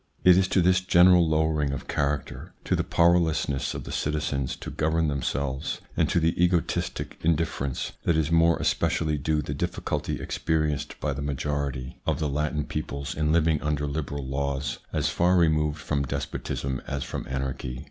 It is to this general lowering of character, to the powerlessness of the citizens to govern themselves and to this egoistic indifference, that is more espe cially due the difficulty experienced by the majority 224 THE PSYCHOLOGY OF PEOPLES: of the Latin peoples in living under liberal laws as far removed from despotism as from anarchy.